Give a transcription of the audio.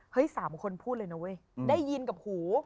สามคนพูดเลยนะเว้ยได้ยินกับหู